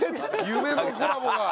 夢のコラボが。